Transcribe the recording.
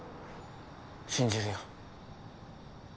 「信じるよ」